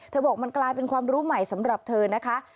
บอกมันกลายเป็นความรู้ใหม่สำหรับเธอนะคะ